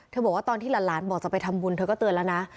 บอกว่าตอนที่หลานบอกจะไปทำบุญเธอก็เตือนแล้วนะ